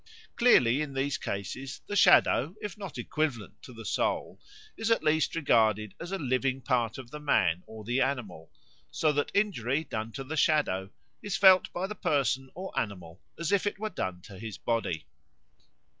Clearly in these cases the shadow, if not equivalent to the soul, is at least regarded as a living part of the man or the animal, so that injury done to the shadow is felt by the person or animal as if it were done to his body.